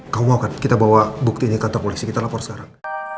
kamu mau kan kita bawa bukti ini kantor polisi kita lapor sekarang